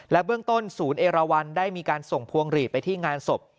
เบื้องต้นศูนย์เอราวันได้มีการส่งพวงหลีดไปที่งานศพ